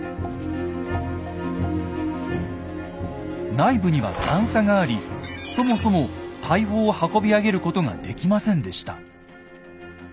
内部には段差がありそもそも大砲を運び上げることができませんでした。